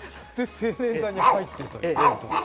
そして青年座に入ってということで。